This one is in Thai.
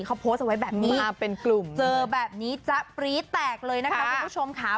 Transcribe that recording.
เขาโพสต์เอาไว้แบบนี้เจอแบบนี้จะปลีแตกเลยนะคะคุณผู้ชมค่ะ